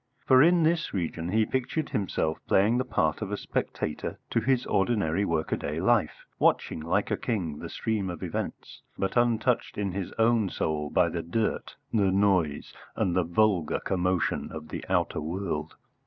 For in this region he pictured himself playing the part of a spectator to his ordinary workaday life, watching, like a king, the stream of events, but untouched in his own soul by the dirt, the noise, and the vulgar commotion of the outer world.